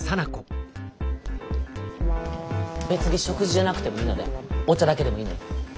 別に食事じゃなくてもいいのでお茶だけでもいいので。